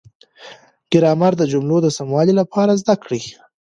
ګرامر د جملو د سموالي لپاره زده کړئ.